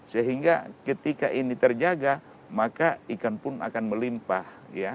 sehingga ketika ini terjaga maka ikan pun akan melimpah